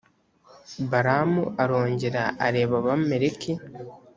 balamu arongera areba abamaleki.